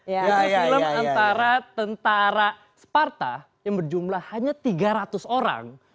ada film antara tentara sparta yang berjumlah hanya tiga ratus orang